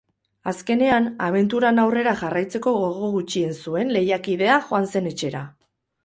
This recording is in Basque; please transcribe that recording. Azkenean, abenturan aurrera jarraitzeko gogo gutxien zuen lehiakidea joan zen etxera.